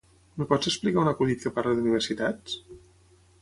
Em pots explicar un acudit que parli d'universitats?